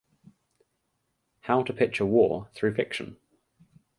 How to picture war through fiction?